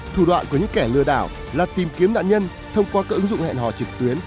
thủ đoạn của những kẻ lừa đảo là tìm kiếm nạn nhân thông qua các ứng dụng hẹn hò trực tuyến